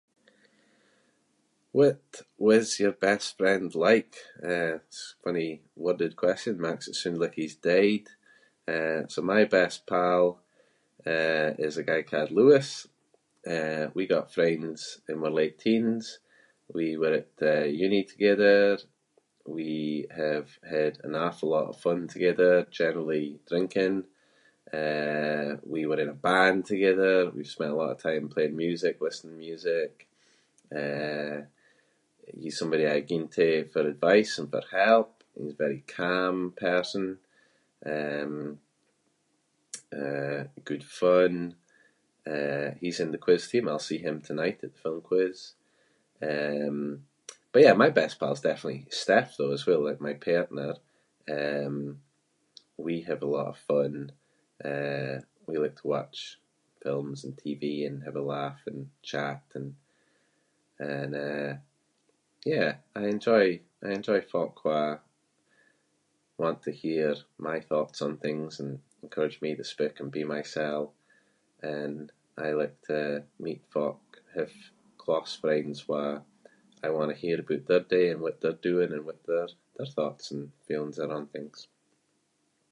What was your best friend like? Eh, it’s a funny worded question – maks it sound like he’s dead. Eh, so my best pal, eh, is a guy ca’d Lewis. Eh, we got friends in wir late teens. We were at, eh, uni together. We have had an awfu’ lot of fun together, generally drinking. Eh, we were in a band together- we've spent a lot of time playing music, listening to music. Eh, he’s somebody I ging to for advice and for help and he’s a very calm person. Um, uh, good fun. Uh, he’s in the quiz team- I’ll see him tonight at the film quiz. Um, but yeah, my best pal’s definitely Steph though as well, like, my partner. Um, we have a lot of fun. Eh, we like to watch films and TV and have a laugh and chat and- and, eh, yeah. I enjoy- I enjoy folk who are- want to hear my thoughts on things and encourage me to speak and be mysel and I like to meet folk who have close friends where I want to hear aboot their day and what they’re doing and what their- their thoughts and feeling are on things.